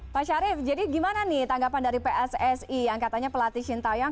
pak syarif jadi gimana nih tanggapan dari pssi yang katanya pelatih shin taeyong